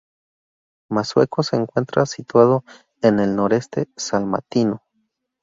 Masueco se encuentra situado en el noroeste salmantino.